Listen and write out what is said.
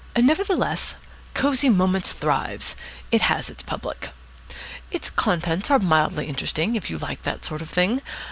Nevertheless, Cosy Moments thrives. It has its public. Its contents are mildly interesting, if you like that sort of thing.